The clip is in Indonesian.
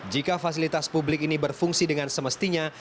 jika fasilitas publik ini berfungsi dengan semestinya